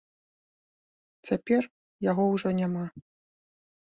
Цяпер яго ўжо няма.